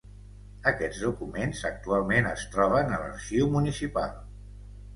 Aquests documents actualment es troben a l'Arxiu Municipal.